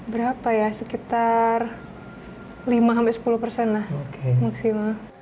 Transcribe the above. berapa ya sekitar lima sampai sepuluh persen lah maksimal